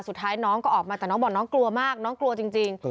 สุดท้ายน้องก็ออกมาแต่น้องบอกน้องกลัวมากน้องกลัวจริง